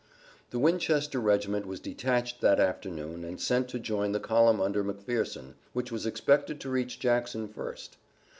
The Winchester regiment was detached that afternoon and sent to join the column under McPherson, which was expected to reach Jackson first.